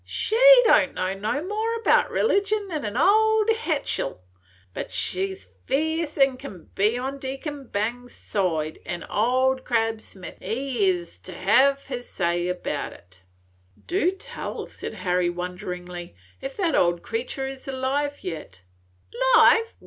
She don' know no more 'bout religion than an' old hetchel, but she 's ferce as can be on Deacon Bangs's side, an' Old Crab Smith he hes to hev' his say 'bout it." "Do tell," said Harry, wonderingly, "if that old creature is alive yet!" "'Live?